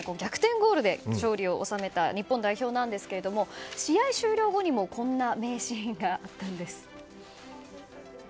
ゴールで勝利を収めた日本代表ですが試合終了後にもこんな名シーンがあったんです。